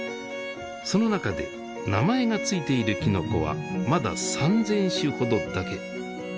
その中で名前が付いているきのこはまだ３，０００種ほどだけ。